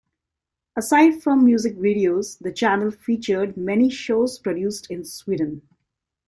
Aside from music videos the channel featured many shows produced in Sweden.